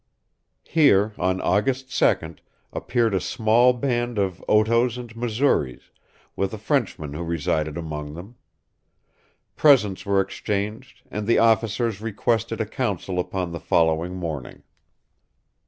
Here, on August 2d, appeared a small band of Otoes and Missouris, with a Frenchman who resided among them. Presents were exchanged, and the officers requested a council upon the following morning.